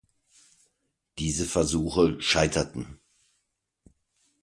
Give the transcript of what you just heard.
Diese Versuche scheiterten.